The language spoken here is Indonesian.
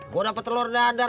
gue dapet telur dadar